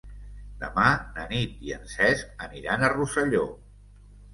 Demà na Nit i en Cesc aniran a Rosselló.